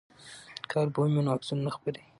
که البوم وي نو عکسونه نه خپریږي.